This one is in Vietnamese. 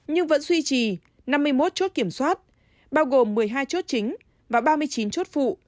nhưng vẫn duy trì năm mươi một chốt kiểm soát bao gồm một mươi hai chốt chính và ba mươi chín chốt phụ